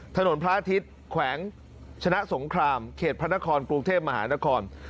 พระอาทิตย์แขวงชนะสงครามเขตพระนครกรุงเทพมหานคร